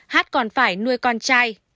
hát còn phải nuôi con trai